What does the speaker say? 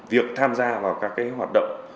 việc tham gia vào các cái hoạt động